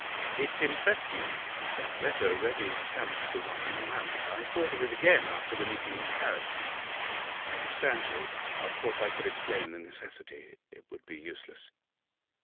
'It impressed me, that letter ready stamped for Wanley Manor. I thought of it again after the meeting in Paris.' 'I understand you. Of course I could explain the necessity. It would be useless.